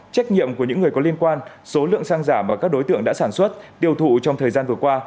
trách nhiệm của những người có liên quan số lượng xăng giả mà các đối tượng đã sản xuất tiêu thụ trong thời gian vừa qua